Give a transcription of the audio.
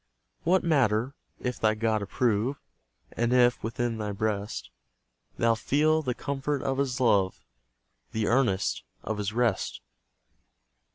What matter, if thy God approve, And if, within thy breast, Thou feel the comfort of His love, The earnest of His rest?